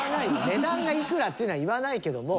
値段がいくらっていうのは言わないけども。